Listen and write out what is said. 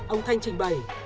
ông thanh trình bày